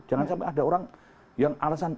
jangan sampai ada orang yang alasan